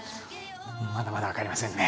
まだまだ分かりませんね